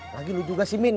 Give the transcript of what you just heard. lagi lu juga min